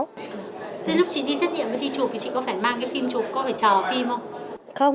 lúc chị đi xét nghiệm và đi chụp thì chị có phải mang cái phim chụp có phải chờ phim không